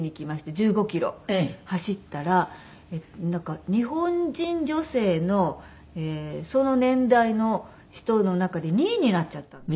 １５キロ走ったら日本人女性のその年代の人の中で２位になっちゃったんです。